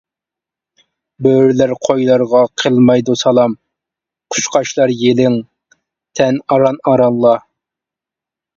بۆرىلەر قويلارغا قىلمايدۇ سالام، قۇشقاچلار يېلىڭ تەن ئاران-ئارانلا.